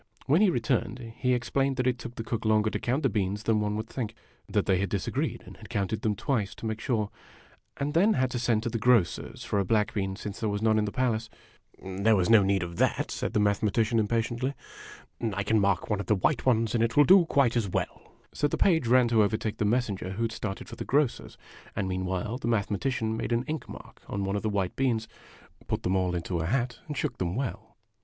When he returned, he explained that it took the cook longer to count the beans than one would think. That they had disagreed, and had counted them twice, to make sure ; and then had to send to the grocer's for a black bean, since there was none in the palace. "There was no need of that," said the Mathematician, impatiently. " I can mark one of the white ones, and it will do quite as well." So the page ran to overtake the messenger who had started for the grocer's and meanwhile the Mathematician made an ink mark on one of the white beans, put them all into a hat, and shook them well.